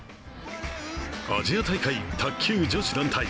アジア大会、卓球女子団体。